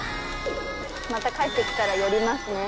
また帰ってきたら寄りますね。